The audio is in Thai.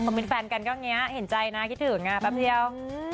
เป็นแฟนกันก็อย่างนี้เห็นใจนะคิดถึงแป๊บเดียว